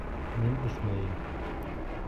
Мин эсмәйем.